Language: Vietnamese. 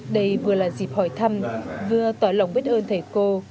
đây vừa là dịp hỏi thăm vừa tỏ lòng biết ơn thầy cô